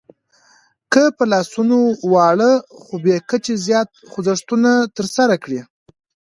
که په لاسونو واړه خو بې کچې زیات خوځښتونه ترسره کړئ